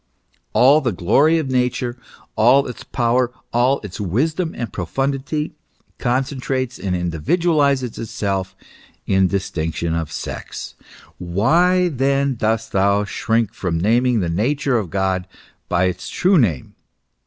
All the glory of Nature, all its power, all its wisdom and pro fundity, concentrates and individualizes itself in distinction of sex. Why then dost thou shrink from naming the nature of God by its true name